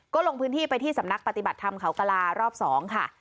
ก็ลงพื้นที่ไปที่สำนักปฏิบัติธรรมเขากระลารอบ๒ค่ะ